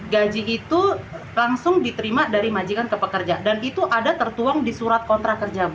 gaji itu langsung diterima dari majikan ke pekerja dan itu ada tertuang di surat kontrak kerja